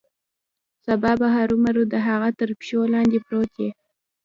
سبا به هرومرو د هغه تر پښو لاندې پروت یې.